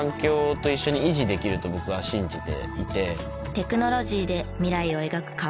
テクノロジーで未来を描く川崎さん。